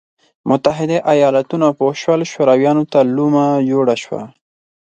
متحده ایالتونه پوه شول شورویانو ته لومه جوړه شوه.